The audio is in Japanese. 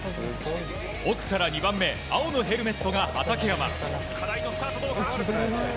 奥から２番目青のヘルメットが畠山。